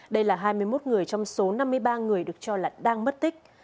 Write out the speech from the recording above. đây là hai mươi một người trong số năm mươi ba người được cho là đang mất tích